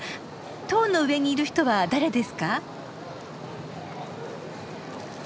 塔の上にいる人は誰ですか？